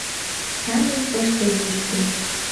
Сайын пыште вуйышкет: